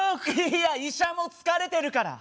いや医者も疲れてるから。